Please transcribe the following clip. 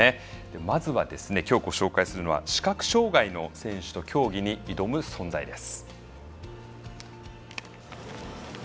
まずはきょうご紹介するのは視覚障がいの選手と競技に挑む存在です。